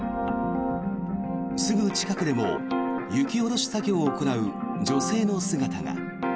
すぐ近くでも雪下ろし作業を行う女性の姿が。